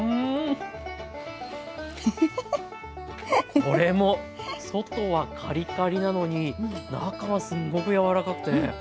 これも外はカリカリなのに中はすんごく柔らかくて。